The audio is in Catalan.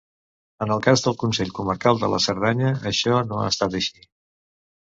En el cas del Consell Comarcal de la Cerdanya, això no ha estat així.